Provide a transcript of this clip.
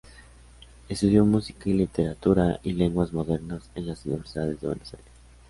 Estudió música y Literatura y Lenguas Modernas en la Universidad de Buenos Aires.